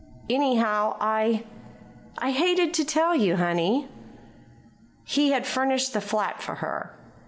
Anyhow, I I hated to tell you, honey." He had furnished the flat for her.